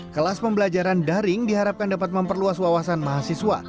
kelas pembelajaran daring diharapkan dapat memperluas wawasan mahasiswa